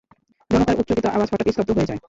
জনতার উচ্চকিত আওয়াজ হঠাৎ স্তব্ধ হয়ে যায়।